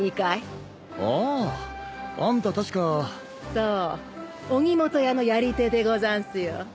そう荻本屋の遣手でござんすよ。